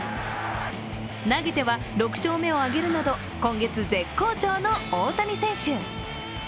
投げては６勝目を挙げるなど、今月絶好調の大谷選手。